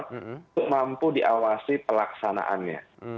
untuk mampu diawasi pelaksanaannya